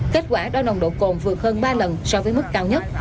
kết quả đo nồng độ cồn vượt hơn ba lần so với mức cao nhất